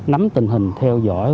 nắm tình hình theo dõi